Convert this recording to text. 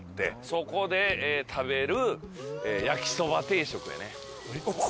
そこで食べる焼きそば定食やね。